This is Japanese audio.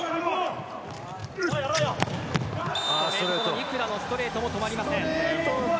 ニクラのストレートも止まりません。